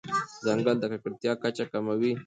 ځنګل د ککړتیا کچه کموي.